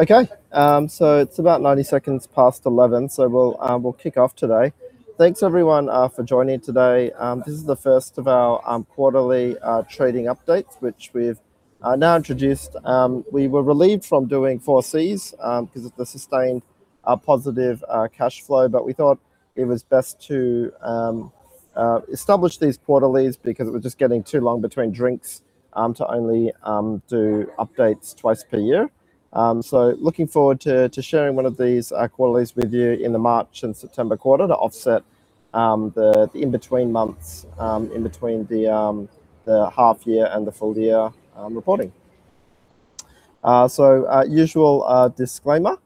It's about 90 seconds past 11, so we'll kick off today. Thanks everyone for joining today. This is the first of our quarterly trading updates, which we've now introduced. We were relieved from doing 4Cs because of the sustained positive cash flow. We thought it was best to establish these quarterlies because it was just getting too long between drinks to only do updates twice per year. Looking forward to sharing one of these quarterlies with you in the March and September quarter to offset the in-between months in between the half year and the full year reporting. Usual disclaimer.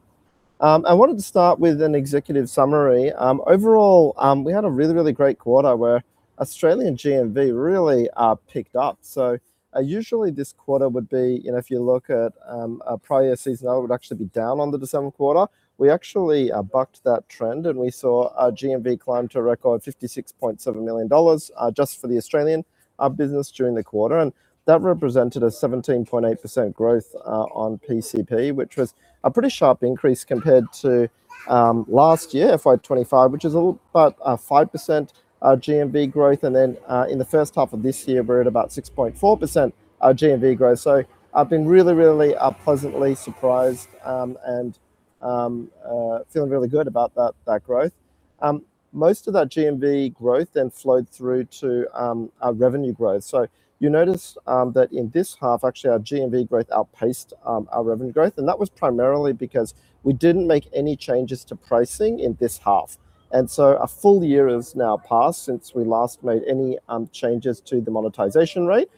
I wanted to start with an executive summary. Overall, we had a really great quarter where Australian GMV really picked up. Usually this quarter would be, if you look at prior seasonal, would actually be down on the December quarter. We actually bucked that trend, and we saw our GMV climb to a record 56.7 million dollars just for the Australian business during the quarter. That represented a 17.8% growth on PCP, which was a pretty sharp increase compared to last year, FY 2025, which is about a 5% GMV growth. In the first half of this year, we're at about 6.4% GMV growth. I've been really, really pleasantly surprised and feeling really good about that growth. Most of that GMV growth then flowed through to our revenue growth. You notice that in this half, actually, our GMV growth outpaced our revenue growth, and that was primarily because we didn't make any changes to pricing in this half. A full year has now passed since we last made any changes to the monetization rate.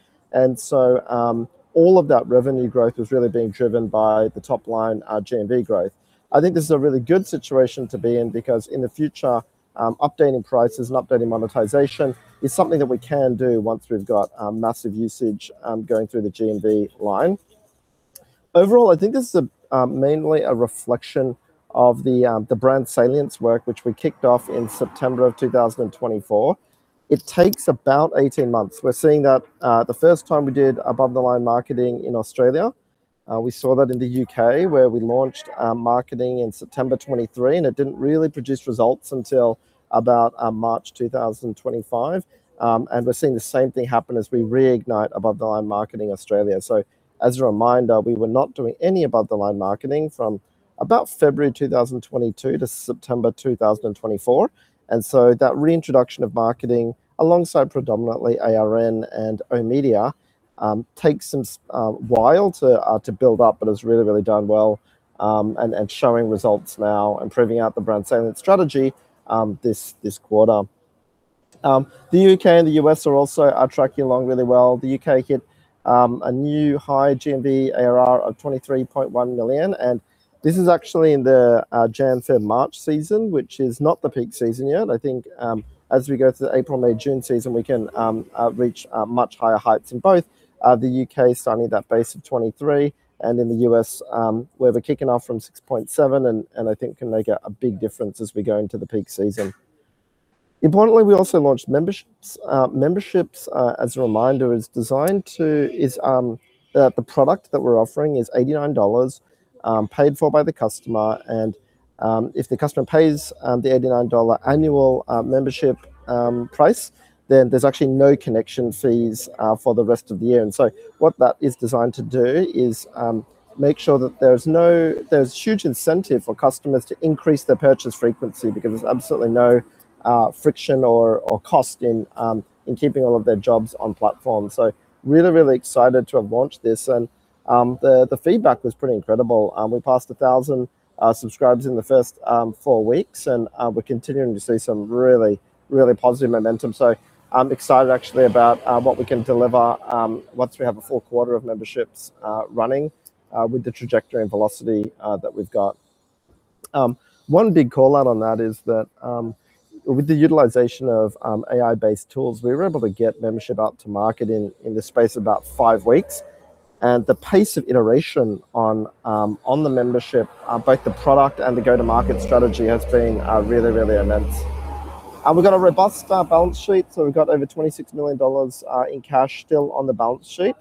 All of that revenue growth was really being driven by the top line GMV growth. I think this is a really good situation to be in because in the future updating prices and updating monetization is something that we can do once we've got massive usage going through the GMV line. Overall, I think this is mainly a reflection of the brand salience work which we kicked off in September of 2024. It takes about 18 months. We're seeing that the first time we did above-the-line marketing in Australia. We saw that in the U.K. where we launched our marketing in September 2023, and it didn't really produce results until about March 2025. We're seeing the same thing happen as we reignite above-the-line marketing in Australia. As a reminder, we were not doing any above-the-line marketing from about February 2022 to September 2024. That reintroduction of marketing alongside predominantly ARN and owned media takes some while to build up, but has really, really done well and showing results now and proving out the brand salience strategy this quarter. The U.K. and the U.S. are also tracking along really well. The U.K. hit a new high GMV ARR of 23.1 million, and this is actually in the January, February, March season, which is not the peak season yet. I think as we go to the April, May, June season, we can reach much higher heights in both the U.K. starting that base of 23 and in the U.S., where we're kicking off from 6.7 and I think can make a big difference as we go into the peak season. Importantly, we also launched memberships. Memberships, as a reminder, the product that we're offering is 89 dollars paid for by the customer and if the customer pays the 89 dollar annual membership price, then there's actually no connection fees for the rest of the year. What that is designed to do is make sure that there's huge incentive for customers to increase their purchase frequency because there's absolutely no friction or cost in keeping all of their jobs on platform. Really, really excited to have launched this. The feedback was pretty incredible. We passed 1,000 subscribers in the first four weeks, and we're continuing to see some really, really positive momentum. I'm excited actually about what we can deliver once we have a full quarter of memberships running with the trajectory and velocity that we've got. One big call-out on that is that with the utilization of AI-based tools, we were able to get membership out to market in the space of about five weeks. The pace of iteration on the membership, both the product and the go-to-market strategy, has been really, really immense. We've got a robust balance sheet. We've got over 26 million dollars in cash still on the balance sheet.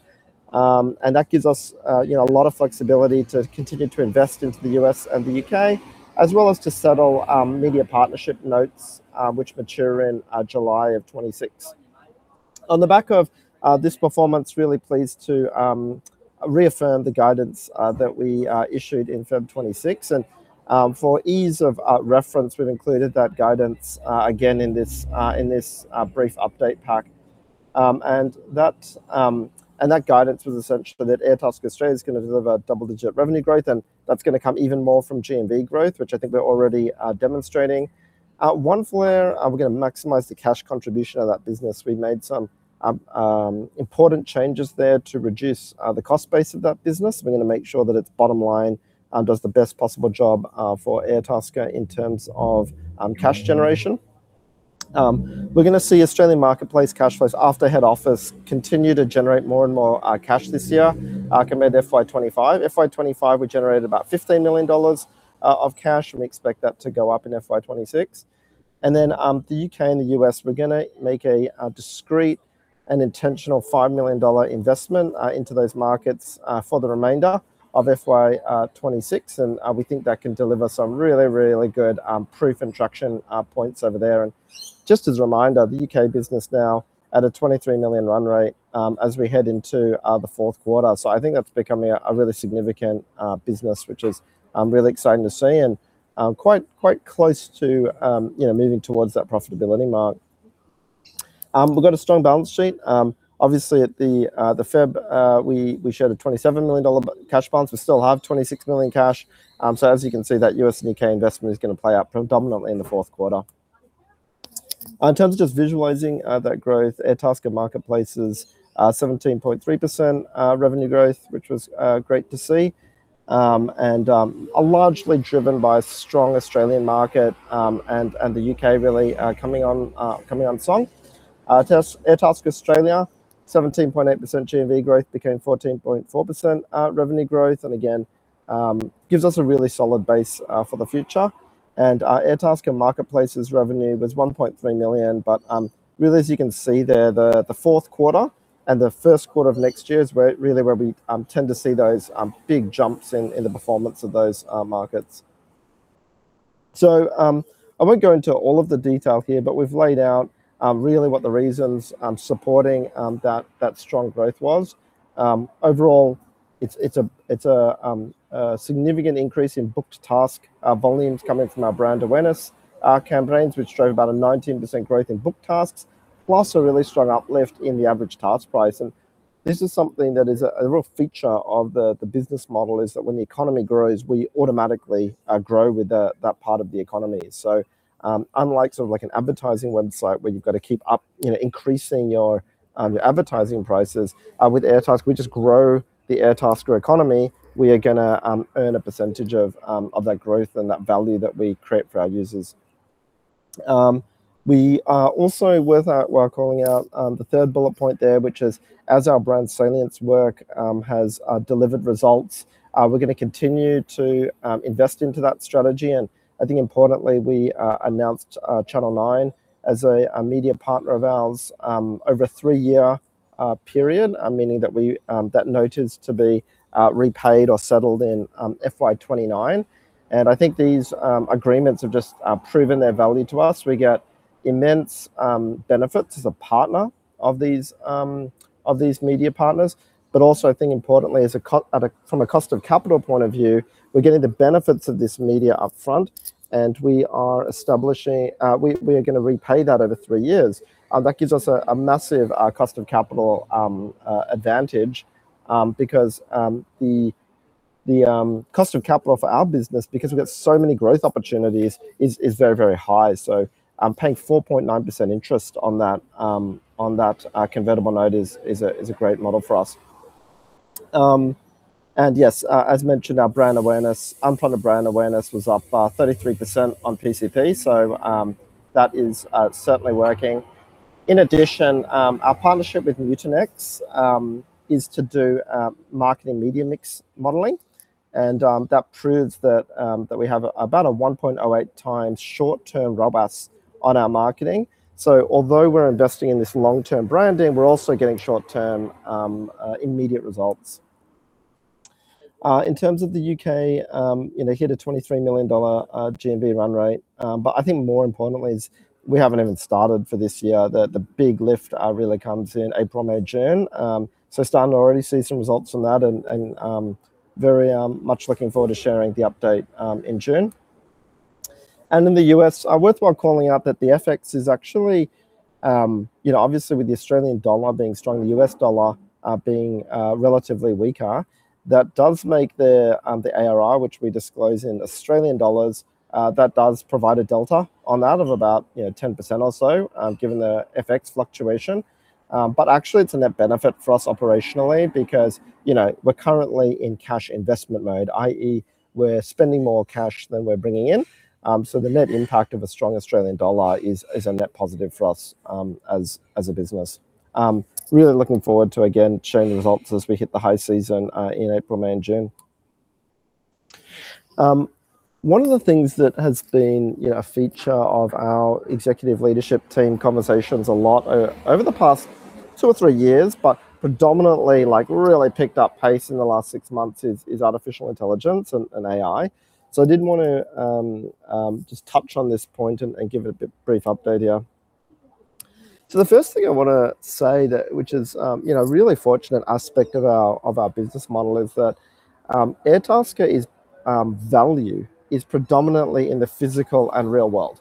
That gives us a lot of flexibility to continue to invest into the U.S. and the U.K., as well as to settle media partnership notes which mature in July 2026. On the back of this performance, really pleased to reaffirm the guidance that we issued in February 2026, and for ease of reference, we've included that guidance again in this brief update pack. That guidance was essentially that Airtasker Australia is going to deliver double-digit revenue growth and that's going to come even more from GMV growth, which I think we're already demonstrating. Oneflare, we're going to maximize the cash contribution of that business. We made some important changes there to reduce the cost base of that business. We're going to make sure that its bottom line does the best possible job for Airtasker in terms of cash generation. We're going to see Australian marketplace cash flows after head office continue to generate more and more cash this year compared to FY 2025. FY 2025, we generated about 15 million dollars of cash, and we expect that to go up in FY 2026. The U.K. and the U.S., we're going to make a discrete, an intentional 5 million dollar investment into those markets for the remainder of FY 2026, and we think that can deliver some really, really good proof and traction points over there. Just as a reminder, the U.K. business now at a 23 million run rate as we head into the fourth quarter. I think that's becoming a really significant business, which is really exciting to see and quite close to moving towards that profitability mark. We've got a strong balance sheet. Obviously in February, we showed a 27 million dollar cash balance. We still have 26 million cash. As you can see that U.S. and U.K. investment is going to play out predominantly in the fourth quarter. In terms of just visualizing that growth, Airtasker marketplaces, 17.3% revenue growth, which was great to see, and are largely driven by a strong Australian market and the U.K. really coming on strong. Airtasker Australia, 17.8% GMV growth became 14.4% revenue growth, and again, gives us a really solid base for the future. Airtasker marketplaces revenue was 1.3 million, but really, as you can see there, the fourth quarter and the first quarter of next year is really where we tend to see those big jumps in the performance of those markets. I won't go into all of the detail here, but we've laid out really what the reasons supporting that strong growth was. Overall, it's a significant increase in booked task volumes coming from our brand awareness campaigns, which drove about a 19% growth in booked tasks, plus a really strong uplift in the average task price. This is something that is a real feature of the business model, is that when the economy grows, we automatically grow with that part of the economy. Unlike an advertising website where you've got to keep up increasing your advertising prices, with Airtasker, we just grow the Airtasker economy, we are going to earn a percentage of that growth and that value that we create for our users. We are also worthwhile calling out the third bullet point there, which is as our brand salience work has delivered results, we're going to continue to invest into that strategy. I think importantly, we announced Channel Nine as a media partner of ours over a three-year period, meaning that note is to be repaid or settled in FY 2029. I think these agreements have just proven their value to us. We get immense benefits as a partner of these media partners. Also, I think importantly, from a cost of capital point of view, we're getting the benefits of this media upfront. We are going to repay that over three years. That gives us a massive cost of capital advantage, because the cost of capital for our business, because we've got so many growth opportunities, is very, very high. Paying 4.9% interest on that convertible note is a great model for us. Yes, as mentioned, our unplanned brand awareness was up 33% on PCP, so that is certainly working. In addition, our partnership with Mutinex is to do marketing media mix modeling, and that proves that we have about a 1.08x short-term ROAS on our marketing. Although we're investing in this long-term branding, we're also getting short-term, immediate results. In terms of the U.K., we hit a 23 million dollar GMV run rate. I think more importantly is we haven't even started for this year. The big lift really comes in April, May, June. Starting to already see some results from that and very much looking forward to sharing the update in June. In the U.S., it's worthwhile calling out that the FX is actually, obviously with the Australian dollar being strong, the U.S. dollar being relatively weaker, that does make the ARR, which we disclose in Australian dollars, that does provide a delta on that of about 10% or so given the FX fluctuation. Actually, it's a net benefit for us operationally because we're currently in cash investment mode, i.e., we're spending more cash than we're bringing in. The net impact of a strong Australian dollar is a net positive for us as a business. Really looking forward to, again, sharing the results as we hit the high season in April, May, and June. One of the things that has been a feature of our executive leadership team conversations a lot over the past two or three years, but predominantly really picked up pace in the last six months, is artificial intelligence and AI. I did want to just touch on this point and give a brief update here. The first thing I want to say, which is a really fortunate aspect of our business model, is that Airtasker's value is predominantly in the physical and real world.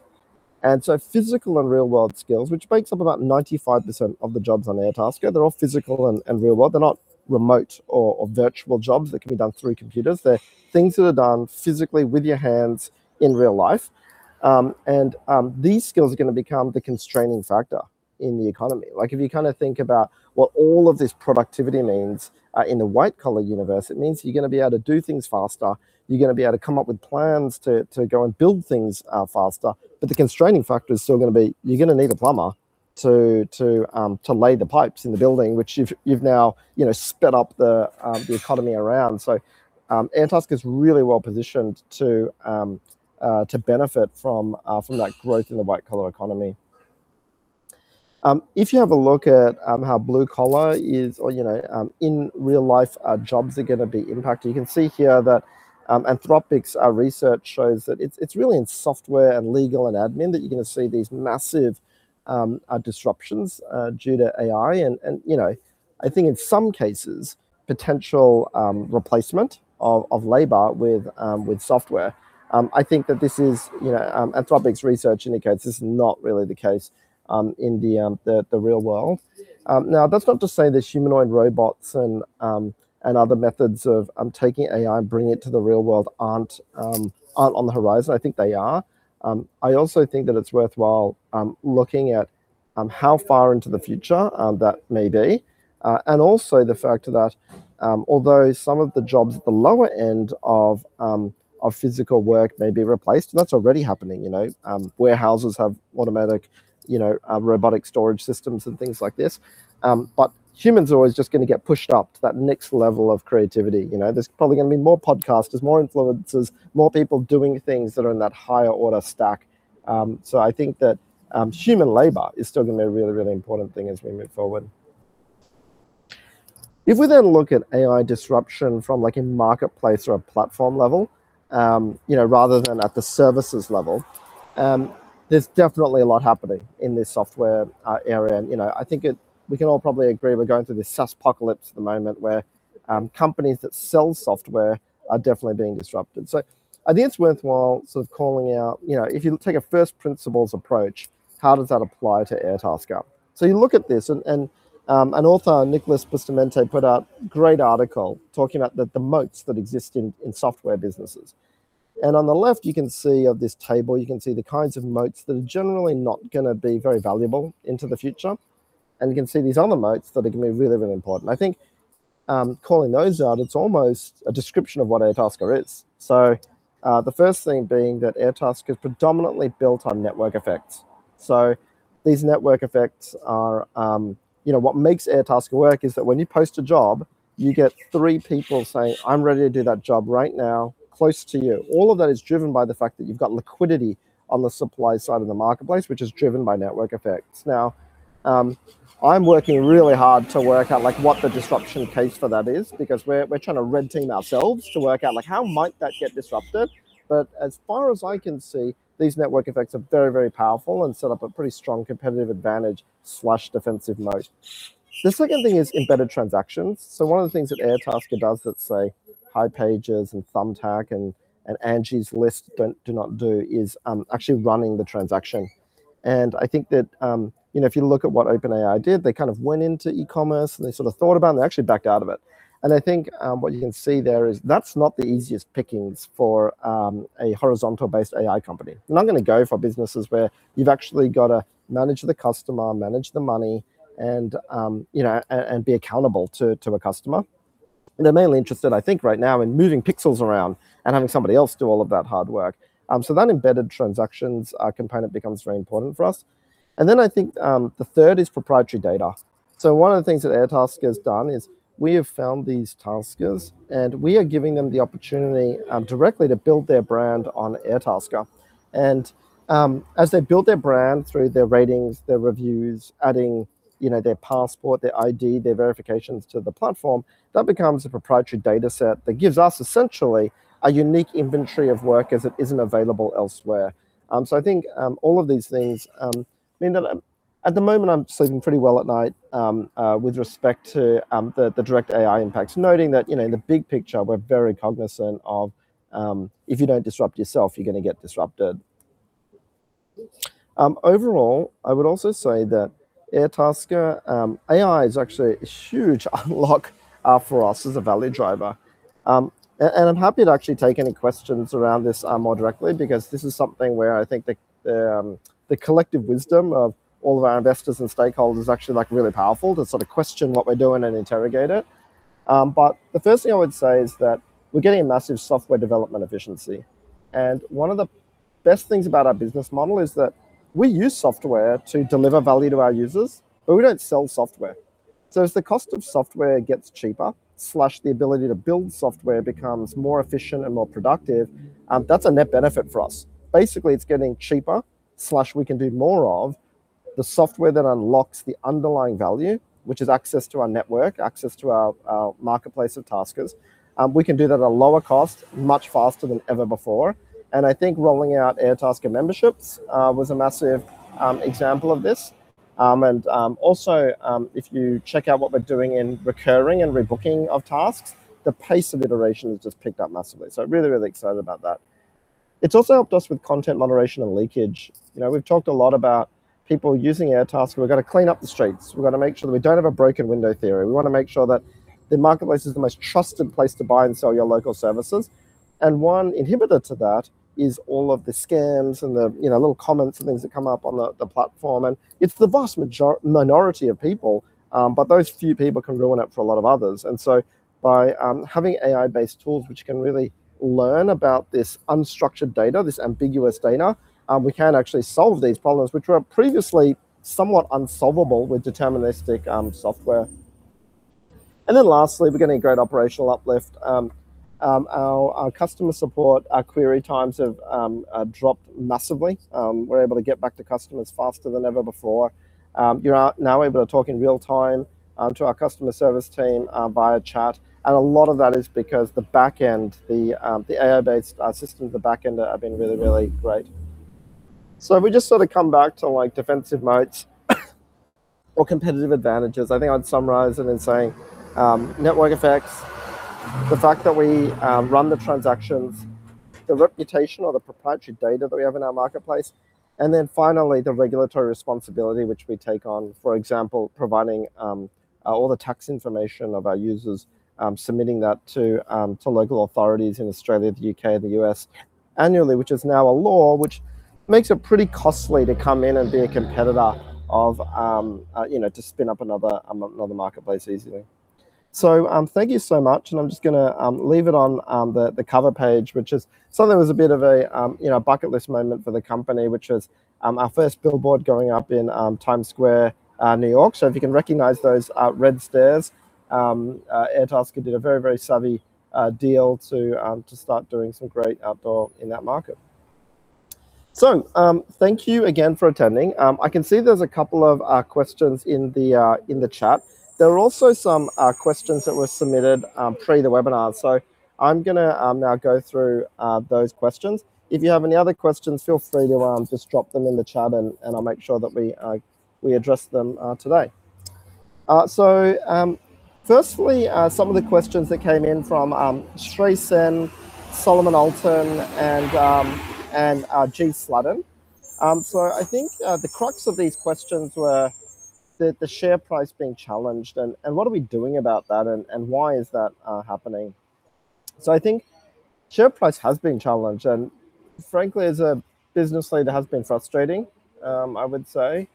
Physical and real-world skills, which makes up about 95% of the jobs on Airtasker, they're all physical and real world. They're not remote or virtual jobs that can be done through computers. They're things that are done physically with your hands in real life. These skills are going to become the constraining factor in the economy. If you think about what all of this productivity means in the white-collar universe, it means you're going to be able to do things faster, you're going to be able to come up with plans to go and build things faster, but the constraining factor is still going to be you're going to need a plumber to lay the pipes in the building, which you've now sped up the economy around. Airtasker's really well positioned to benefit from that growth in the white-collar economy. If you have a look at how blue-collar is, or in real-life jobs are going to be impacted, you can see here that Anthropic's research shows that it's really in software and legal and admin that you're going to see these massive disruptions due to AI, I think in some cases, potential replacement of labor with software. I think that, Anthropic's research indicates, this is not really the case in the real world. That's not to say that humanoid robots and other methods of taking AI and bringing it to the real world aren't on the horizon. I think they are. I also think that it's worthwhile looking at how far into the future that may be. Also the fact that although some of the jobs at the lower end of physical work may be replaced, and that's already happening. Warehouses have automatic robotic storage systems and things like this. Humans are always just going to get pushed up to that next level of creativity. There's probably going to be more podcasters, more influencers, more people doing things that are in that higher order stack. I think that human labor is still going to be a really, really important thing as we move forward. If we then look at AI disruption from a marketplace or a platform level, rather than at the services level, there's definitely a lot happening in this software area. I think we can all probably agree we're going through this SaaSpocalypse at the moment where companies that sell software are definitely being disrupted. I think it's worthwhile sort of calling out, if you take a first principles approach, how does that apply to Airtasker? You look at this, and an author, Nicolas Bustamante, put out a great article talking about the moats that exist in software businesses. On the left, you can see on this table, you can see the kinds of moats that are generally not going to be very valuable into the future. You can see these other moats that are going to be really, really important. I think calling those out, it's almost a description of what Airtasker is. The first thing being that Airtasker is predominantly built on network effects. These network effects are, what makes Airtasker work is that when you post a job, you get three people saying, "I'm ready to do that job right now, close to you." All of that is driven by the fact that you've got liquidity on the supply side of the marketplace, which is driven by network effects. Now, I'm working really hard to work out what the disruption case for that is, because we're trying to red team ourselves to work out how might that get disrupted. As far as I can see, these network effects are very, very powerful and set up a pretty strong competitive advantage/defensive moat. The second thing is embedded transactions. One of the things that Airtasker does that say, hipages and Thumbtack and Angie's List do not do is actually running the transaction. I think that if you look at what OpenAI did, they kind of went into e-commerce, and they sort of thought about it, and they actually backed out of it. I think what you can see there is that's not the easiest pickings for a horizontal-based AI company. They're not going to go for businesses where you've actually got to manage the customer, manage the money, and be accountable to a customer. They're mainly interested, I think right now, in moving pixels around and having somebody else do all of that hard work. That embedded transactions component becomes very important for us. Then I think the third is proprietary data. One of the things that Airtasker has done is we have found these taskers, and we are giving them the opportunity directly to build their brand on Airtasker. As they build their brand through their ratings, their reviews, adding their passport, their ID, their verifications to the platform, that becomes a proprietary data set that gives us essentially a unique inventory of work as it isn't available elsewhere. I think all of these things mean that at the moment, I'm sleeping pretty well at night with respect to the direct AI impacts, noting that in the big picture, we're very cognizant of if you don't disrupt yourself, you're going to get disrupted. Overall, I would also say that Airtasker, AI is actually a huge unlock for us as a value driver. I'm happy to actually take any questions around this more directly, because this is something where I think the collective wisdom of all of our investors and stakeholders is actually really powerful to sort of question what we're doing and interrogate it. The first thing I would say is that we're getting a massive software development efficiency. One of the best things about our business model is that we use software to deliver value to our users, but we don't sell software. As the cost of software gets cheaper, the ability to build software becomes more efficient and more productive, that's a net benefit for us. Basically, it's getting cheaper, we can do more of the software that unlocks the underlying value, which is access to our network, access to our marketplace of taskers. We can do that at a lower cost much faster than ever before. I think rolling out Airtasker memberships was a massive example of this. Also, if you check out what we're doing in recurring and rebooking of tasks, the pace of iteration has just picked up massively. Really, really excited about that. It's also helped us with content moderation and leakage. We've talked a lot about people using Airtasker. We've got to clean up the streets. We've got to make sure that we don't have a broken window theory. We want to make sure that the marketplace is the most trusted place to buy and sell your local services. One inhibitor to that is all of the scams and the little comments and things that come up on the platform. It's the vast minority of people, but those few people can ruin it for a lot of others. By having AI-based tools which can really learn about this unstructured data, this ambiguous data, we can actually solve these problems, which were previously somewhat unsolvable with deterministic software. Lastly, we're getting a great operational uplift. Our customer support, our query times have dropped massively. We're able to get back to customers faster than ever before. You're now able to talk in real time to our customer service team via chat. A lot of that is because the back end, the AI-based systems, the back end have been really, really great. If we just come back to defensive modes or competitive advantages, I think I'd summarize it in saying, network effects, the fact that we run the transactions, the reputation or the proprietary data that we have in our marketplace, and then finally, the regulatory responsibility which we take on, for example, providing all the tax information of our users, submitting that to local authorities in Australia, the U.K., the U.S. annually, which is now a law which makes it pretty costly to come in and be a competitor to spin up another marketplace easily. Thank you so much, and I'm just going to leave it on the cover page, which is something that was a bit of a bucket list moment for the company, which is our first billboard going up in Times Square, New York. If you can recognize those red stairs, Airtasker did a very, very savvy deal to start doing some great outdoor in that market. Thank you again for attending. I can see there's a couple of questions in the chat. There are also some questions that were submitted pre the webinar. I'm going to now go through those questions. If you have any other questions, feel free to just drop them in the chat and I'll make sure that we address them today. Firstly, some of the questions that came in from Shreyas Sen, Solomon Alton, and G Sladden. I think the crux of these questions were the share price being challenged, and what are we doing about that and why is that happening? I think share price has been challenged, and frankly, as a business leader, has been frustrating, I would say.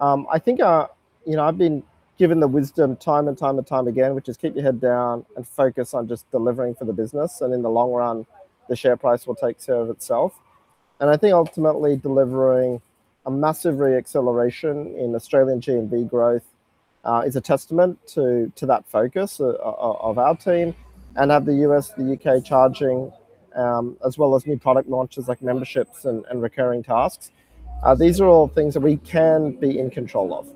I think, I've been given the wisdom time and time and time again, which is keep your head down and focus on just delivering for the business, and in the long run, the share price will take care of itself. I think ultimately delivering a massive re-acceleration in Australian GMV growth, is a testament to that focus of our team and of the U.S., the U.K. charging, as well as new product launches like memberships and recurring tasks. These are all things that we can be in control of.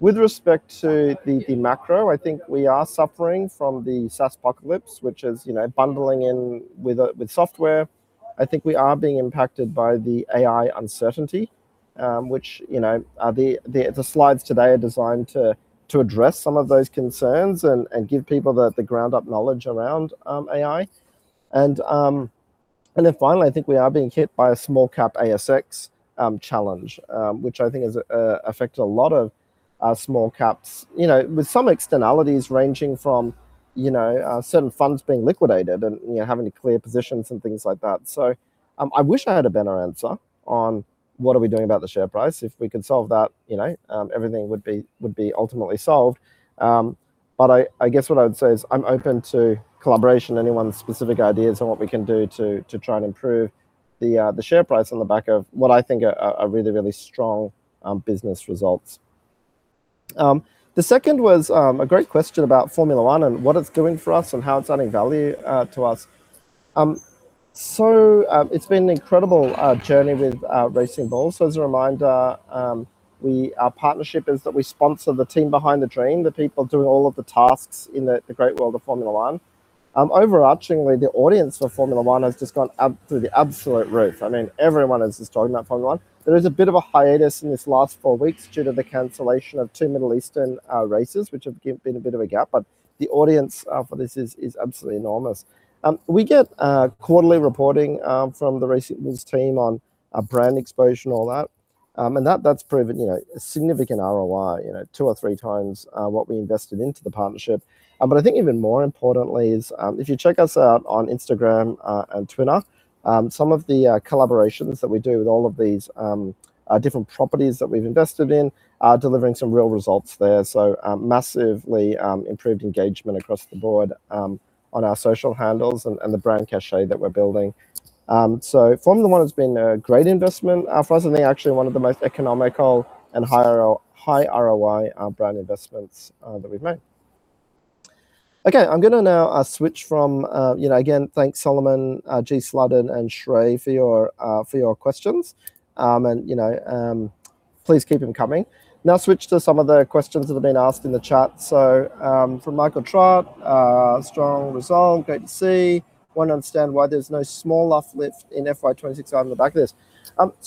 With respect to the macro, I think we are suffering from the SaaSpocalypse, which is bundling in with software. I think we are being impacted by the AI uncertainty, which the slides today are designed to address some of those concerns and give people the ground-up knowledge around AI. Finally, I think we are being hit by a small cap ASX challenge, which I think has affected a lot of small caps with some externalities ranging from certain funds being liquidated and having to clear positions and things like that. I wish I had a better answer on what are we doing about the share price. If we could solve that, everything would be ultimately solved. I guess what I would say is I'm open to collaboration, anyone's specific ideas on what we can do to try and improve the share price on the back of what I think are really, really strong business results. The second was a great question about Formula One and what it's doing for us and how it's adding value to us. It's been an incredible journey with Racing Bulls. As a reminder, our partnership is that we sponsor the team behind the dream, the people doing all of the tasks in the great world of Formula One. Overarchingly, the audience for Formula One has just gone up through the absolute roof. I mean, everyone is just talking about Formula One. There is a bit of a hiatus in this last four weeks due to the cancellation of two Middle Eastern races, which have been a bit of a gap, but the audience for this is absolutely enormous. We get quarterly reporting from the Racing Bulls team on brand exposure and all that. That's proven a significant ROI, 2x or 3x what we invested into the partnership. I think even more importantly is, if you check us out on Instagram and Twitter, some of the collaborations that we do with all of these different properties that we've invested in are delivering some real results there. Massively improved engagement across the board on our social handles and the brand cachet that we're building. Formula One has been a great investment for us, and I think actually one of the most economical and high ROI brand investments that we've made. Okay. I'm going to now switch from, again, thanks Solomon, G Sladden, and Shreyas for your questions. Please keep them coming. Now switch to some of the questions that have been asked in the chat. From Michael Trott, strong result, great to see. Want to understand why there's no small uplift in FY 2026 guidance on the back of this.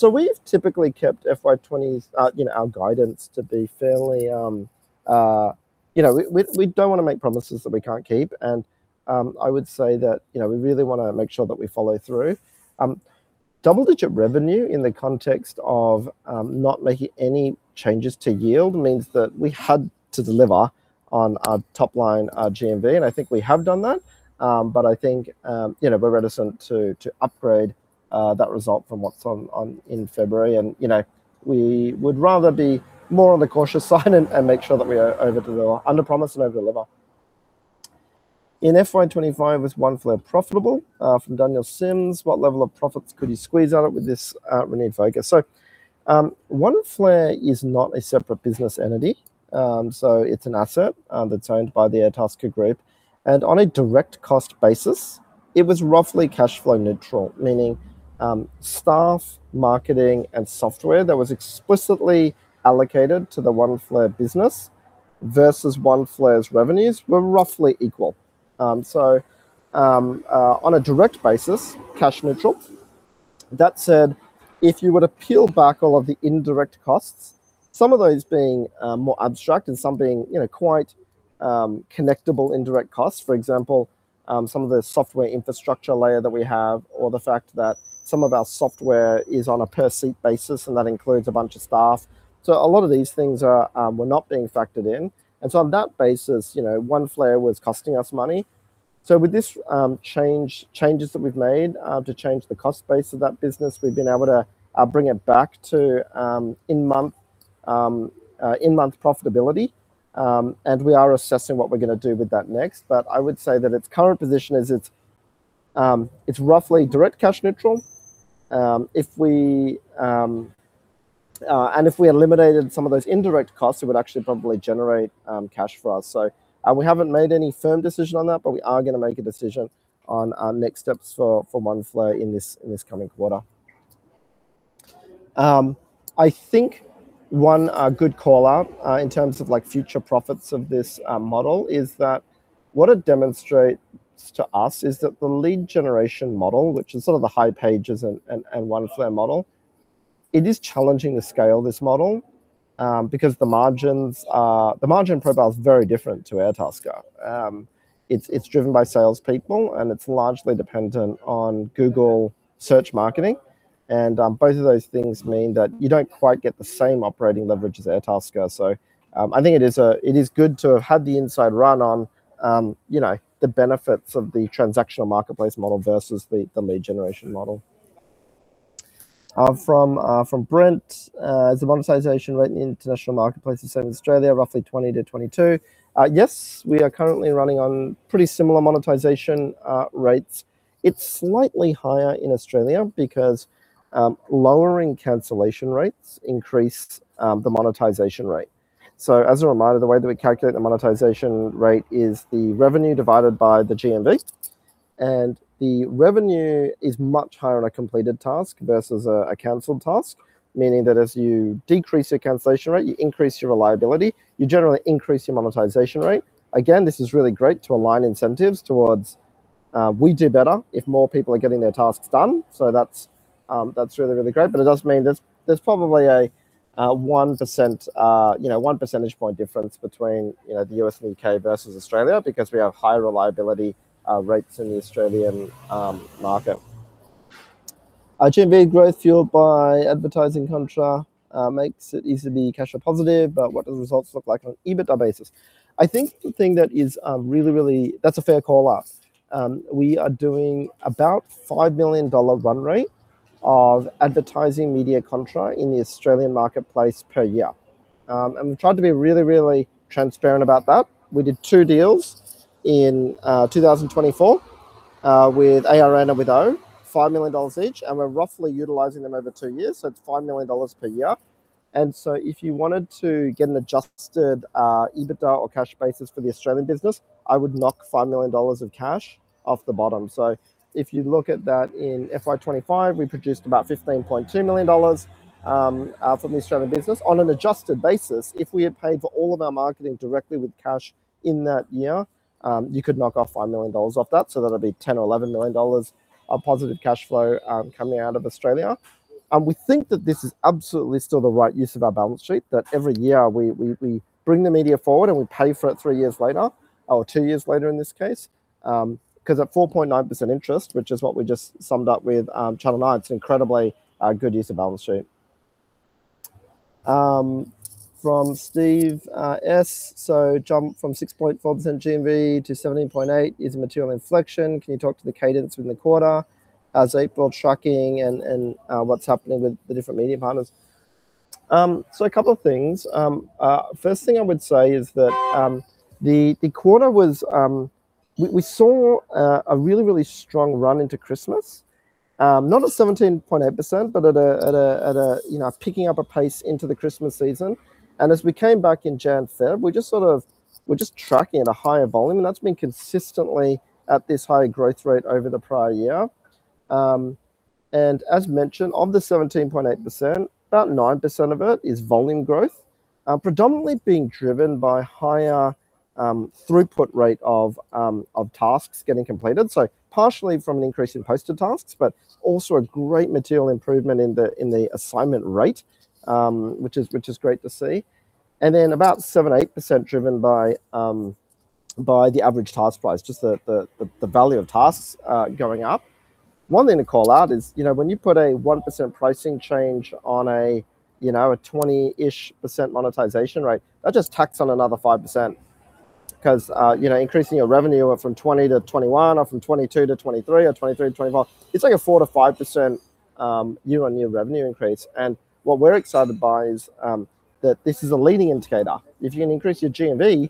We've typically kept FY 2020 our guidance to be fairly. We don't want to make promises that we can't keep, and I would say that we really want to make sure that we follow through. Double-digit revenue in the context of not making any changes to yield means that we had to deliver on our top line GMV, and I think we have done that. But I think, we're reticent to upgrade that result from what's in February. We would rather be more on the cautious side and make sure that we underpromise and overdeliver. In FY 2025 was Oneflare profitable? From Daniel Sims, what level of profits could you squeeze out with this renewed focus? Oneflare is not a separate business entity. It's an asset that's owned by the Airtasker Group. On a direct cost basis, it was roughly cash flow neutral, meaning staff, marketing, and software that was explicitly allocated to the Oneflare business versus Oneflare's revenues were roughly equal. On a direct basis, cash neutral. That said, if you were to peel back all of the indirect costs, some of those being more abstract and some being quite connectable indirect costs. For example, some of the software infrastructure layer that we have or the fact that some of our software is on a per seat basis, and that includes a bunch of staff. A lot of these things were not being factored in. On that basis, Oneflare was costing us money. With these changes that we've made to change the cost base of that business, we've been able to bring it back to in-month profitability. We are assessing what we're going to do with that next. I would say that its current position is its roughly direct cash neutral. If we eliminated some of those indirect costs, it would actually probably generate cash for us. We haven't made any firm decision on that, but we are going to make a decision on our next steps for Oneflare in this coming quarter. I think one good call-out in terms of future profits of this model is that what it demonstrates to us is that the lead generation model, which is sort of the hipages and Oneflare model, it is challenging to scale this model because the margin profile is very different to Airtasker. It's driven by salespeople, and it's largely dependent on Google search marketing. Both of those things mean that you don't quite get the same operating leverage as Airtasker. I think it is good to have had the inside run on the benefits of the transactional marketplace model versus the lead generation model. From Brent, is the monetization rate in the international marketplace the same as Australia, roughly 20%-22%? Yes, we are currently running on pretty similar monetization rates. It's slightly higher in Australia because lowering cancellation rates increased the monetization rate. As a reminder, the way that we calculate the monetization rate is the revenue divided by the GMV. The revenue is much higher on a completed task versus a canceled task, meaning that as you decrease your cancellation rate, you increase your reliability, you generally increase your monetization rate. Again, this is really great to align incentives towards, we do better if more people are getting their tasks done. That's really, really great. It does mean there's probably a 1% difference between the U.S. and U.K. versus Australia because we have higher reliability rates in the Australian market. GMV growth fueled by advertising contra makes it easily cash positive, but what do the results look like on an EBITDA basis? That's a fair call out. We are doing about 5 million dollar run rate of advertising media contra in the Australian marketplace per year. We've tried to be really transparent about that. We did two deals in 2024, with ARN Media and with oOh!media, 5 million dollars each, and we're roughly utilizing them over two years, so it's 5 million dollars per year. If you wanted to get an adjusted EBITDA or cash basis for the Australian business, I would knock 5 million dollars of cash off the bottom. If you look at that in FY 2025, we produced about 15.2 million dollars from the Australian business. On an adjusted basis, if we had paid for all of our marketing directly with cash in that year, you could knock off 5 million dollars off that. That'll be 10 million or 11 million dollars positive cash flow coming out of Australia. We think that this is absolutely still the right use of our balance sheet, that every year we bring the media forward and we pay for it three years later or two years later in this case, because at 4.9% interest, which is what we just signed up with Channel Nine, it's an incredibly good use of balance sheet. From Steve S, jump from 6.4% GMV to 17.8% is a material inflection. Can you talk to the cadence within the quarter as April tracking and what's happening with the different media partners? A couple of things. First thing I would say is that the quarter was, we saw a really, really strong run into Christmas, not at 17.8%, but at picking up a pace into the Christmas season. As we came back in January, February, we're just tracking at a higher volume, and that's been consistently at this high growth rate over the prior year. As mentioned, of the 17.8%, about 9% of it is volume growth, predominantly being driven by higher throughput rate of tasks getting completed. Partially from an increase in posted tasks, but also a great material improvement in the assignment rate, which is great to see. Then about 7%-8% driven by the average task price, just the value of tasks going up. One thing to call out is when you put a 1% pricing change on a 20-ish% monetization rate, that just tacks on another 5%. Increasing your revenue from 20%-21% or from 22%-23% or 23%-25%, it's like a 4%-5% year-on-year revenue increase, and what we're excited by is that this is a leading indicator. If you can increase your GMV,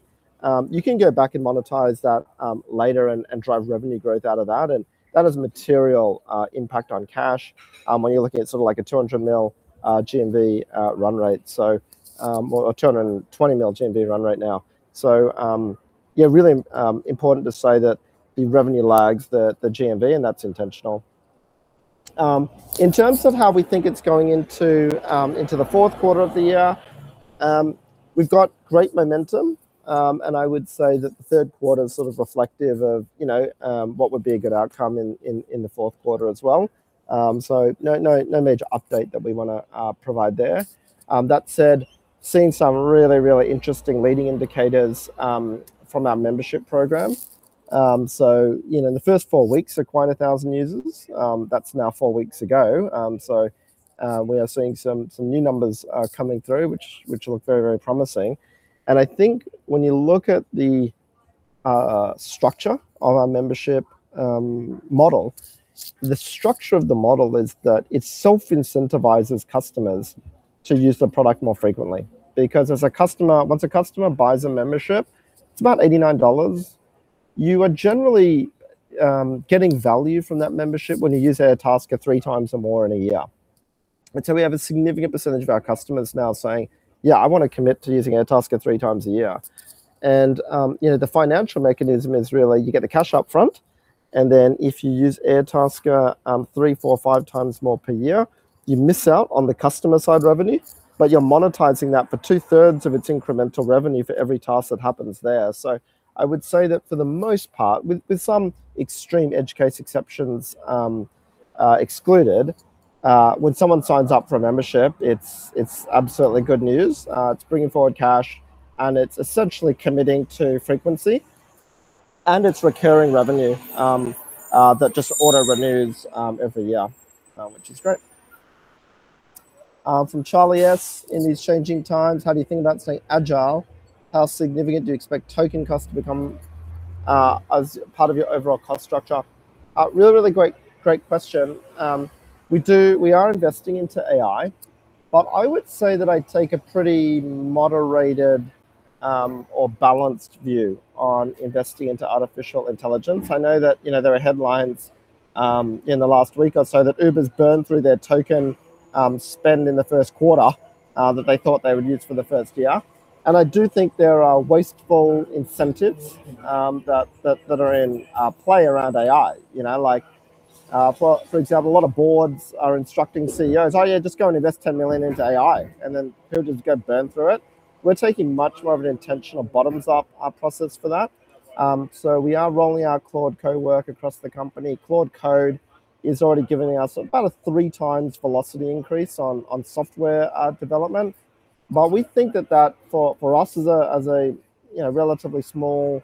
you can go back and monetize that later and drive revenue growth out of that. That has a material impact on cash, when you're looking at sort of like a 200 million GMV run rate. Well, a 220 million GMV run rate now. Yeah, really important to say that the revenue lags the GMV, and that's intentional. In terms of how we think it's going into the fourth quarter of the year, we've got great momentum. I would say that the third quarter is sort of reflective of what would be a good outcome in the fourth quarter as well. No major update that we want to provide there. That said, we are seeing some really, really interesting leading indicators from our membership program. In the first four weeks, we acquired 1,000 users. That's now four weeks ago. We are seeing some new numbers are coming through, which look very, very promising. I think when you look at the structure of our membership model, the structure of the model is that it self-incentivizes customers to use the product more frequently. Because once a customer buys a membership, it's about 89 dollars, you are generally getting value from that membership when you use Airtasker 3x or more in a year. We have a significant percentage of our customers now saying, "Yeah, I want to commit to using Airtasker 3x a year." The financial mechanism is really, you get the cash up front, and then if you use Airtasker 3x, 4x, 5x more per year, you miss out on the customer-side revenue, but you're monetizing that for 2/3 of its incremental revenue for every task that happens there. I would say that for the most part, with some extreme edge case exceptions excluded, when someone signs up for a membership, it's absolutely good news. It's bringing forward cash and it's essentially committing to frequency, and its recurring revenue that just auto-renews every year, which is great. From Charlie S: In these changing times, how do you think about staying agile? How significant do you expect token cost to become as part of your overall cost structure? Really, really great question. We are investing into AI, but I would say that I take a pretty moderated or balanced view on investing into artificial intelligence. I know that there are headlines in the last week or so that Uber's burned through their token spend in the first quarter that they thought they would use for the first year. I do think there are wasteful incentives that are in play around AI. Like, for example, a lot of boards are instructing CEOs, "Oh yeah, just go and invest $10 million into AI," and then he'll just go burn through it. We're taking much more of an intentional bottoms-up process for that. We are rolling out [Claude Cowork] across the company. Claude Code is already giving us about a 3x velocity increase on software development. We think that, for us as a relatively small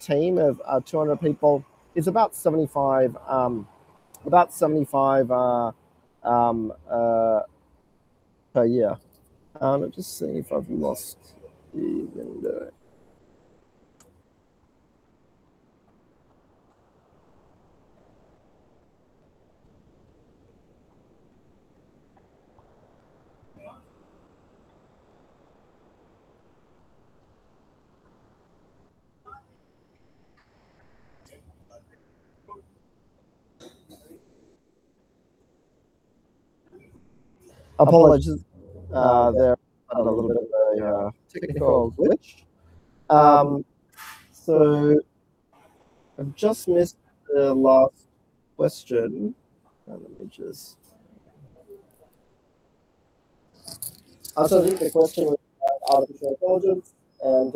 team of 200 people, is about 75 per year. Let me just see if I've lost the window. Apologies there. Had a little bit of a technical glitch. I've just missed the last question. I think the question was about artificial intelligence, and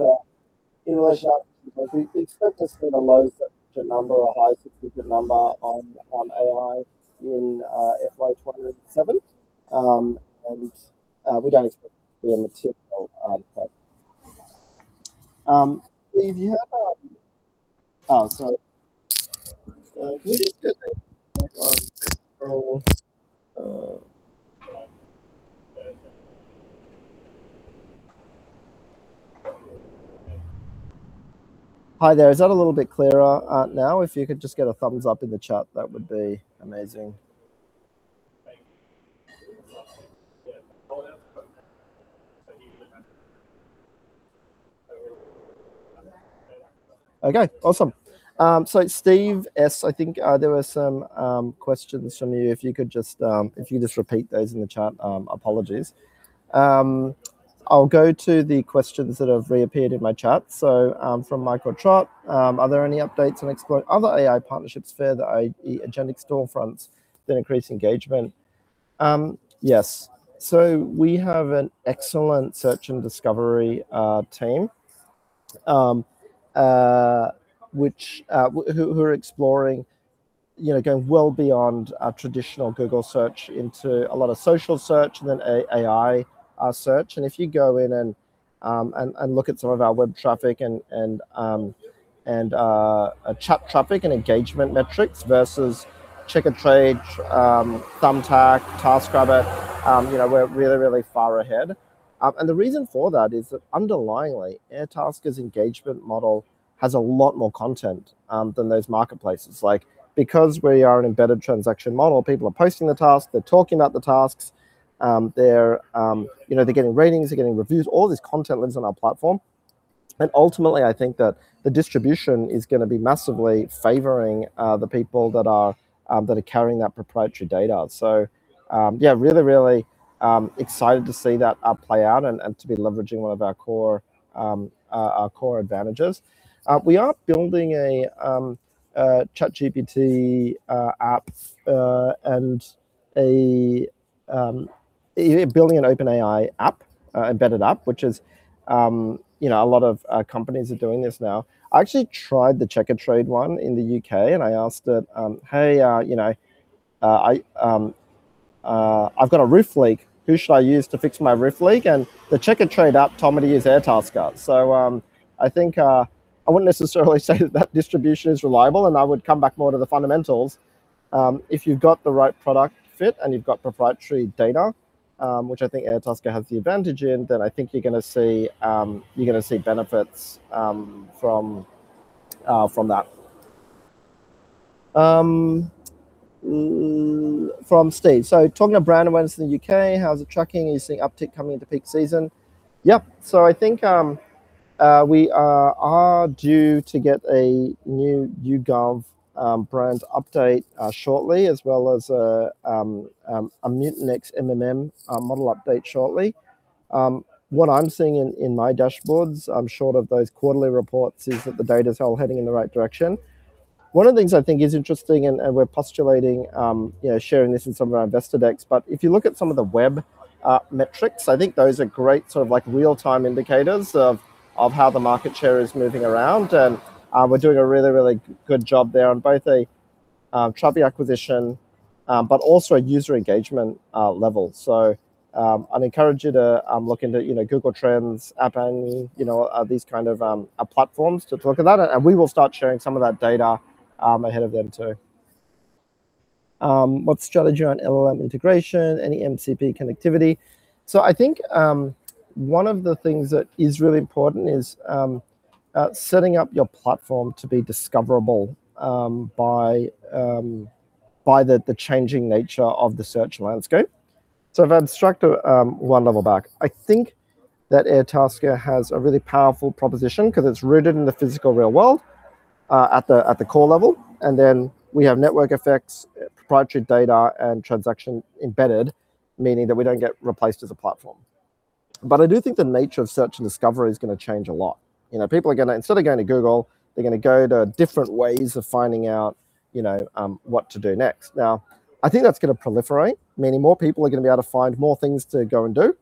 in relation to artificial intelligence, we expect to see a low double-digit number or high single-digit number on AI in FY 2027, and we don't expect to be a material output. Steve, you have. Oh, sorry. Hi there. Is that a little bit clearer now? If you could just get a thumbs up in the chat, that would be amazing. Okay, awesome. Steve S, I think there were some questions from you. If you could just repeat those in the chat, apologies. I'll go to the questions that have reappeared in my chat. From Michael Trott, are there any updates on exploring other AI partnerships further, i.e., agentic storefronts that increase engagement? Yes. We have an excellent search and discovery team who are exploring going well beyond a traditional Google search into a lot of social search and then AI search. If you go in and look at some of our web traffic and chat traffic and engagement metrics versus Checkatrade, Thumbtack, TaskRabbit, we're really, really far ahead. The reason for that is that underlyingly, Airtasker's engagement model has a lot more content than those marketplaces. Because we are an embedded transaction model, people are posting the tasks, they're talking about the tasks, they're getting ratings, they're getting reviews. All this content lives on our platform. Ultimately, I think that the distribution is going to be massively favoring the people that are carrying that proprietary data. Yeah, really, really excited to see that play out and to be leveraging one of our core advantages. We are building a ChatGPT app, and building an OpenAI app, embedded app, which a lot of companies are doing this now. I actually tried the Checkatrade one in the U.K., and I asked it, "Hey, I've got a roof leak. Who should I use to fix my roof leak?" The Checkatrade app told me to use Airtasker. I think I wouldn't necessarily say that that distribution is reliable, and I would come back more to the fundamentals. If you've got the right product fit and you've got proprietary data, which I think Airtasker has the advantage in, then I think you're going to see benefits from that. From Steve S, talking of brand awareness in the U.K., how's it tracking? Are you seeing uptick coming into peak season? Yep. I think we are due to get a new YouGov brand update shortly, as well as a Mutinex MMM model update shortly. What I'm seeing in my dashboards, I'm short of those quarterly reports, is that the data's all heading in the right direction. One of the things I think is interesting, and we're postulating, sharing this in some of our investor decks, but if you look at some of the web metrics, I think those are great real-time indicators of how the market share is moving around. We're doing a really, really good job there on both a traffic acquisition, but also a user engagement level. I'd encourage you to look into Google Trends, App Annie, these kinds of platforms to talk about it, and we will start sharing some of that data ahead of them too. What's the strategy on LLM integration? Any MCP connectivity? I think one of the things that is really important is setting up your platform to be discoverable by the changing nature of the search landscape. If I'd structure one level back, I think that Airtasker has a really powerful proposition because it's rooted in the physical real world, at the core level. Then we have network effects, proprietary data, and transaction embedded, meaning that we don't get replaced as a platform. I do think the nature of search and discovery is going to change a lot. People, instead of going to Google, they're going to go to different ways of finding out what to do next. Now, I think that's going to proliferate. Meaning more people are going to be able to find more things to go and do.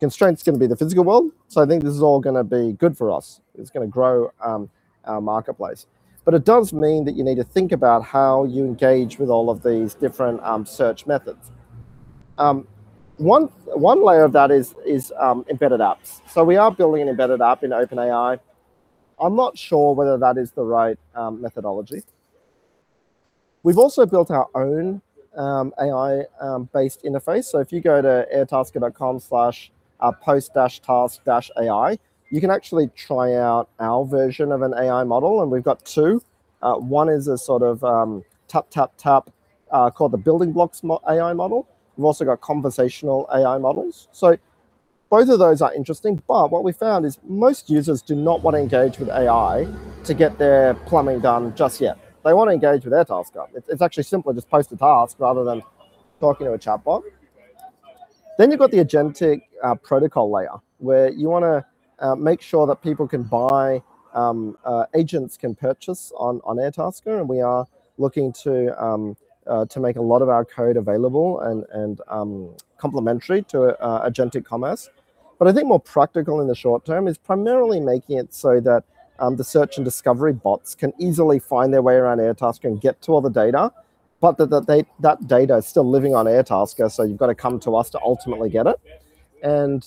Constraint's going to be the physical world. I think this is all going to be good for us. It's going to grow our marketplace. It does mean that you need to think about how you engage with all of these different search methods. One layer of that is embedded apps. We are building an embedded app in OpenAI. I'm not sure whether that is the right methodology. We've also built our own AI-based interface. If you go to airtasker.com/post-task-AI, you can actually try out our version of an AI model, and we've got two. One is a sort of tap, tap, called the building blocks AI model. We've also got conversational AI models. Both of those are interesting, but what we found is most users do not want to engage with AI to get their plumbing done just yet. They want to engage with Airtasker. It's actually simpler. Just post a task rather than talking to a chatbot. You've got the agentic protocol layer, where you want to make sure that people can buy, agents can purchase on Airtasker, and we are looking to make a lot of our code available and complementary to agentic commerce. I think more practical in the short term is primarily making it so that the search and discovery bots can easily find their way around Airtasker and get to all the data, but that data is still living on Airtasker, so you've got to come to us to ultimately get it.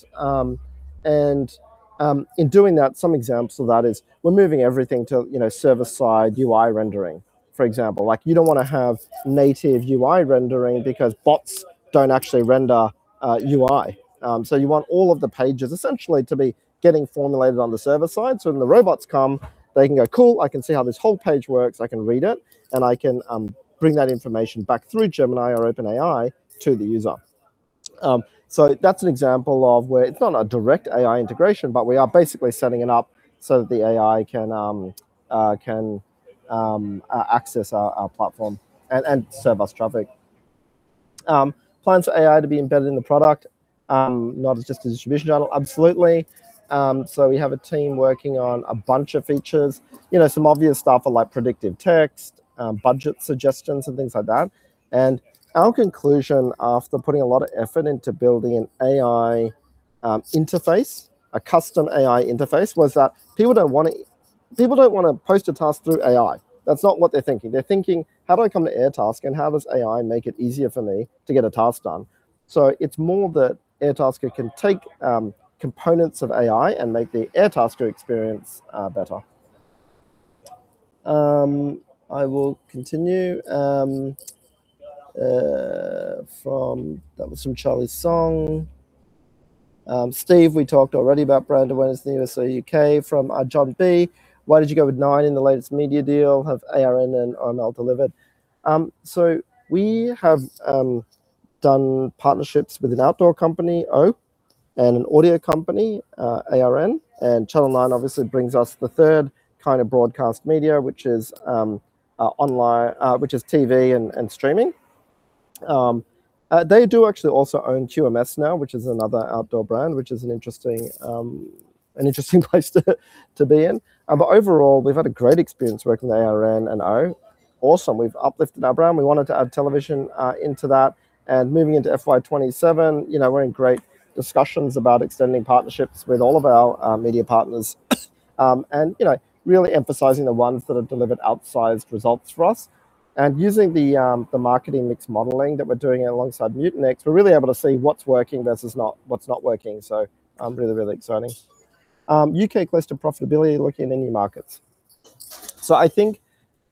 In doing that, some examples of that is we're moving everything to server-side UI rendering, for example. You don't want to have native UI rendering because bots don't actually render UI. You want all of the pages essentially to be getting formulated on the server side, so when the robots come, they can go, "Cool, I can see how this whole page works. I can read it, and I can bring that information back through Gemini or OpenAI to the user." That's an example of where it's not a direct AI integration, but we are basically setting it up so that the AI can access our platform and serve us traffic. Plans for AI to be embedded in the product, not as just a distribution channel? Absolutely. We have a team working on a bunch of features. Some obvious stuff are predictive text, budget suggestions, and things like that. Our conclusion, after putting a lot of effort into building an AI interface, a custom AI interface, was that people don't want to post a task through AI. That's not what they're thinking. They're thinking, "How do I come to Airtasker, and how does AI make it easier for me to get a task done?" It's more that Airtasker can take components of AI and make the Airtasker experience better. I will continue. That was from Charlie Song. Steve, we talked already about brand awareness in the U.S., U.K. From John B, "Why did you go with Nine in the latest media deal? Have ARN and RML delivered?" We have done partnerships with an outdoor company, oOh!media, and an audio company, ARN, and Channel Nine obviously brings us the third kind of broadcast media, which is TV and streaming. They do actually also own QMS Media now, which is another outdoor brand, which is an interesting place to be in. Overall, we've had a great experience working with ARN and oOh!media. Awesome. We've uplifted our brand. We wanted to add television into that, and moving into FY 2027, we're in great discussions about extending partnerships with all of our media partners, and really emphasizing the ones that have delivered outsized results for us. Using the marketing mix modeling that we're doing alongside Mutinex, we're really able to see what's working versus what's not working. Really, really exciting. U.K. close to profitability, looking in new markets. I think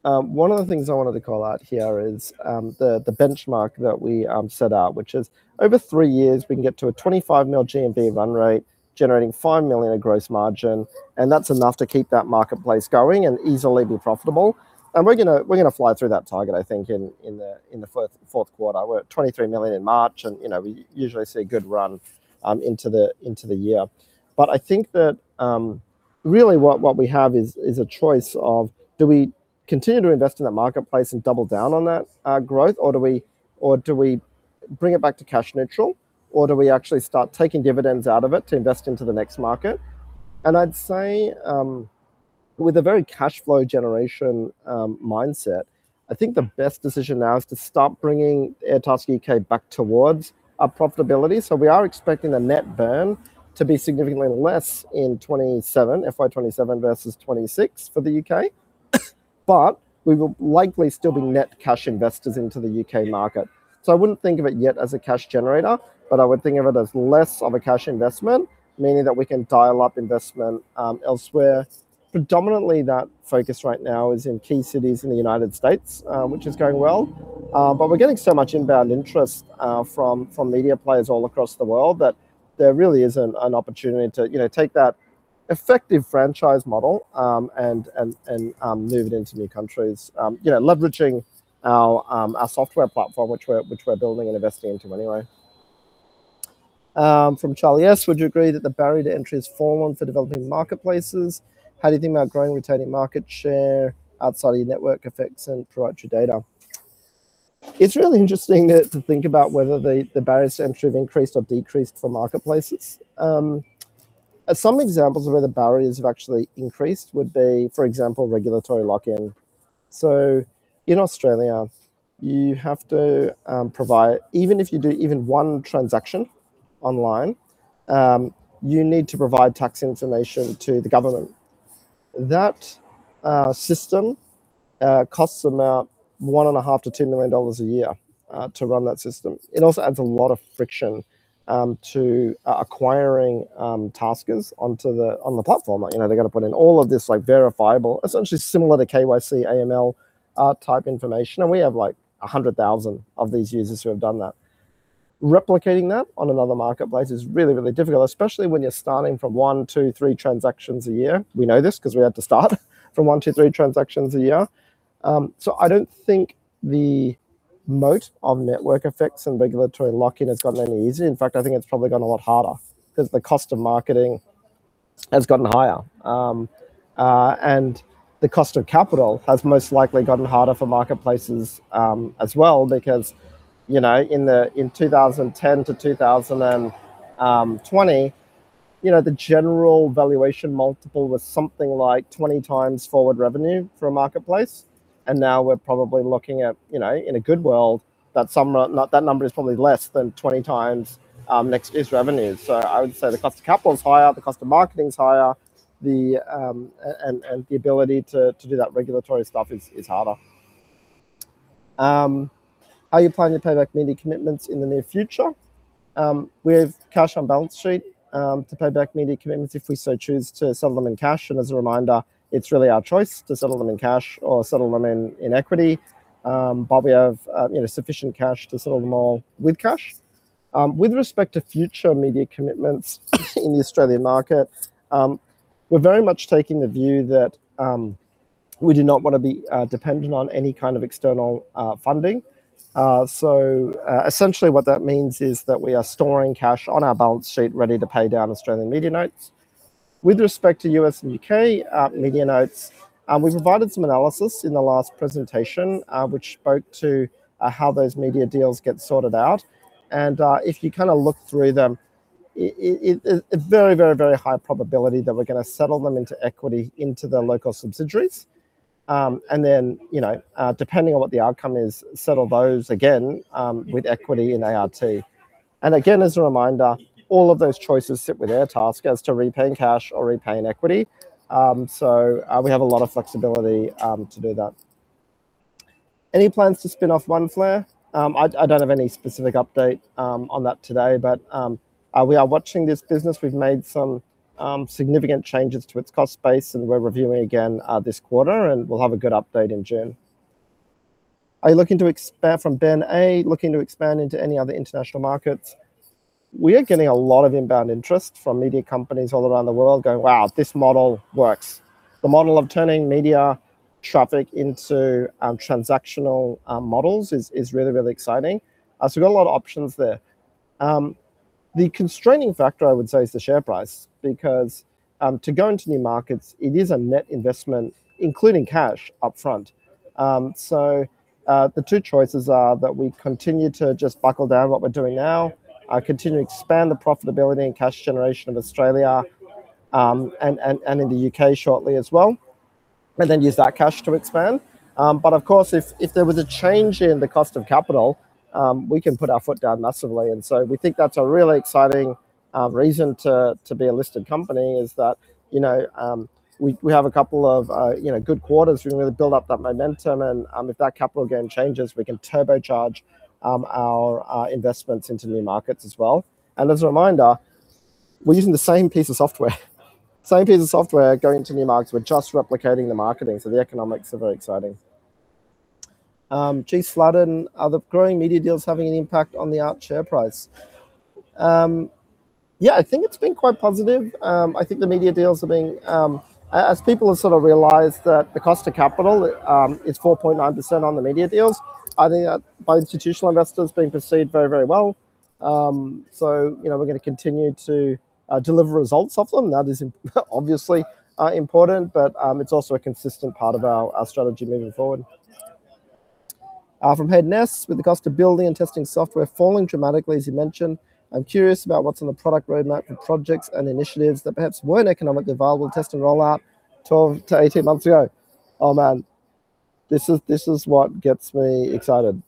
one of the things I wanted to call out here is the benchmark that we set out, which is over three years, we can get to a 25 million GMV run rate, generating 5 million of gross margin, and that's enough to keep that marketplace going and easily be profitable. We're going to fly through that target, I think, in the fourth quarter. We're at 23 million in March, and we usually see a good run into the year. I think that really what we have is a choice of do we continue to invest in that marketplace and double down on that growth or do we bring it back to cash neutral or do we actually start taking dividends out of it to invest into the next market? I'd say with a very cash flow generation mindset, I think the best decision now is to start bringing Airtasker U.K. back towards a profitability. We are expecting the net burn to be significantly less in FY 2027 versus FY 2026 for the U.K., but we will likely still be net cash investors into the U.K. market. I wouldn't think of it yet as a cash generator, but I would think of it as less of a cash investment, meaning that we can dial up investment elsewhere. Predominantly, that focus right now is in key cities in the United States, which is going well. We're getting so much inbound interest from media players all across the world that there really is an opportunity to take that effective franchise model and move it into new countries, leveraging our software platform, which we're building and investing into anyway. From Charlie S., "Would you agree that the barrier to entry is foregone for developing marketplaces? How do you think about growing, retaining market share outside of your network effects and proprietary data?" It's really interesting to think about whether the barriers to entry have increased or decreased for marketplaces. Some examples of where the barriers have actually increased would be, for example, regulatory lock-in. In Australia, even if you do even one transaction online, you need to provide tax information to the government. That system costs about 1.5 million-2 million dollars a year to run that system. It also adds a lot of friction to acquiring taskers on the platform. They've got to put in all of this verifiable, essentially similar to KYC, AML type information, and we have 100,000 of these users who have done that. Replicating that on another marketplace is really, really difficult, especially when you're starting from one to three transactions a year. We know this because we had to start from one to three transactions a year. I don't think the moat of network effects and regulatory lock-in has gotten any easier. In fact, I think it's probably gotten a lot harder because the cost of marketing has gotten higher. The cost of capital has most likely gotten harder for marketplaces as well because in 2010 to 2020, the general valuation multiple was something like 20x forward revenue for a marketplace. Now we're probably looking at, in a good world, that number is probably less than 20x next year's revenues. I would say the cost of capital is higher, the cost of marketing is higher, and the ability to do that regulatory stuff is harder. How are you planning to pay back media commitments in the near future? We have cash on balance sheet to pay back media commitments if we so choose to settle them in cash. As a reminder, it's really our choice to settle them in cash or settle them in equity. We have sufficient cash to settle them all with cash. With respect to future media commitments in the Australian market, we're very much taking the view that we do not want to be dependent on any kind of external funding. Essentially what that means is that we are storing cash on our balance sheet ready to pay down Australian media notes. With respect to U.S. and U.K. media notes, we provided some analysis in the last presentation, which spoke to how those media deals get sorted out. If you look through them, it's very, very high probability that we're going to settle them into equity into the local subsidiaries. Then, depending on what the outcome is, settle those again with equity and ART. Again, as a reminder, all of those choices sit with Airtasker as to repaying cash or repaying equity. We have a lot of flexibility to do that. Any plans to spin off Oneflare? I don't have any specific update on that today, but we are watching this business. We've made some significant changes to its cost base, and we're reviewing again this quarter, and we'll have a good update in June. From Ben A, "Are you looking to expand into any other international markets?" We are getting a lot of inbound interest from media companies all around the world going, "Wow, this model works." The model of turning media traffic into transactional models is really, really exciting. We've got a lot of options there. The constraining factor, I would say, is the share price, because to go into new markets, it is a net investment, including cash up front. The two choices are that we continue to just buckle down what we're doing now. Continue to expand the profitability and cash generation in Australia, and in the U.K. shortly as well, and then use that cash to expand. Of course, if there was a change in the cost of capital, we can put our foot down massively. We think that's a really exciting reason to be a listed company, is that we have a couple of good quarters, we can really build up that momentum, and if that cost of capital changes, we can turbocharge our investments into new markets as well. As a reminder, we're using the same piece of software going into new markets. We're just replicating the marketing. The economics are very exciting. Chase Flatton, "Are the growing media deals having an impact on the ART share price?" Yeah, I think it's been quite positive. I think the media deals, as people have sort of realized that the cost of capital is 4.9% on the media deals, I think by institutional investors being perceived very, very well. We're going to continue to deliver results of them. That is obviously important, but it's also a consistent part of our strategy moving forward. From Hayden Ness, "With the cost of building and testing software falling dramatically, as you mentioned, I'm curious about what's on the product roadmap for projects and initiatives that perhaps weren't economically viable to test and roll out 12-18 months ago." Oh, man. This is what gets me excited.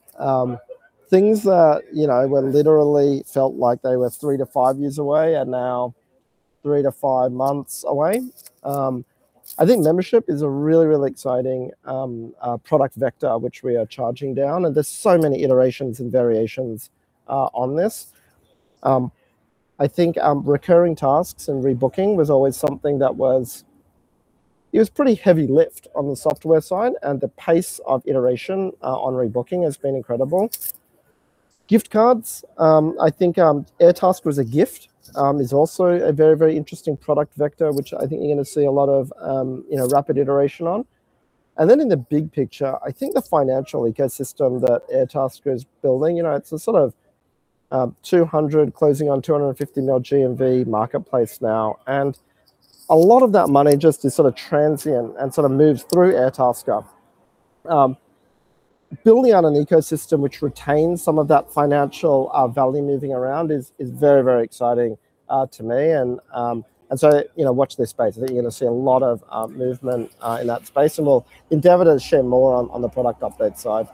Things that literally felt like they were three-five years away are now three-five months away. I think membership is a really, really exciting product vector, which we are charging down, and there's so many iterations and variations on this. I think recurring tasks and rebooking was always something that was pretty heavy lift on the software side, and the pace of iteration on rebooking has been incredible. Gift cards, I think Airtasker as a gift, is also a very, very interesting product vector, which I think you're going to see a lot of rapid iteration on. In the big picture, I think the financial ecosystem that Airtasker is building, it's a sort of 200 million closing on 250 million GMV marketplace now, and a lot of that money just is sort of transient and sort of moves through Airtasker. Building out an ecosystem which retains some of that financial value moving around is very, very exciting to me. Watch this space. I think you're going to see a lot of movement in that space, and we'll endeavor to share more on the product update side.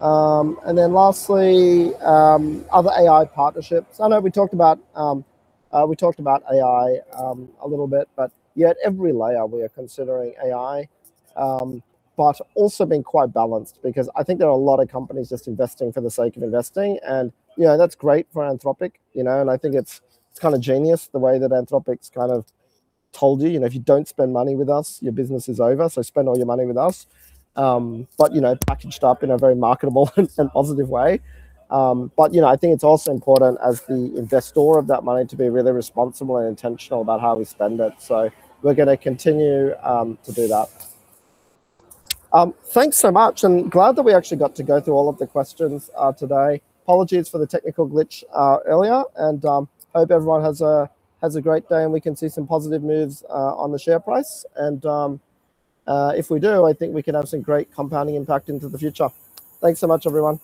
Lastly, other AI partnerships. I know we talked about AI a little bit, but yeah, at every layer we are considering AI. Also being quite balanced, because I think there are a lot of companies just investing for the sake of investing, and that's great for Anthropic. I think it's kind of genius the way that Anthropic's kind of told you, "If you don't spend money with us, your business is over, so spend all your money with us." Packaged up in a very marketable and positive way. I think it's also important as the investor of that money to be really responsible and intentional about how we spend it. We're going to continue to do that. Thanks so much, and glad that we actually got to go through all of the questions today. Apologies for the technical glitch earlier, and hope everyone has a great day, and we can see some positive moves on the share price. If we do, I think we can have some great compounding impact into the future. Thanks so much, everyone.